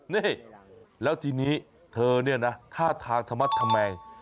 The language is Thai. นี่แล้วทีนี้เธอเนี่ยนะฆาตาธรรมัสธรรมแมง